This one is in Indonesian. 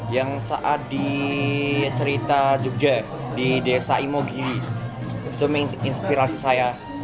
yang saat di cerita jogja di desa imogiri itu menginspirasi saya